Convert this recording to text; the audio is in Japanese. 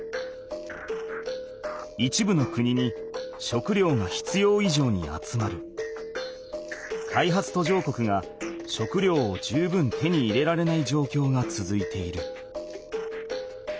一部の国に食料が必要いじょうに集まり開発途上国が食料を十分手に入れられないじょうきょうがつづいている。